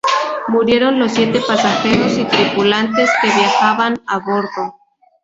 Murieron los siete pasajeros y tripulantes que viajaban a bordo.